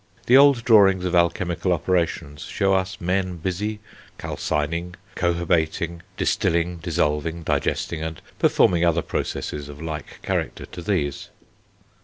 The old drawings of alchemical operations show us men busy calcining, cohobating, distilling, dissolving, digesting, and performing other processes of like character to these.